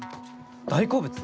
大好物？